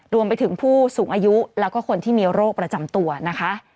รวมไปถึงผู้สูงอายุแล้วก็คนที่มีโรคประจำตัวนะคะ